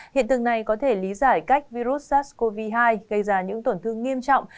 hiện tượng này có thể lý giải cách virus sars cov hai gây ra những tổn thương nghiêm trọng